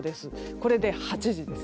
これで８時です。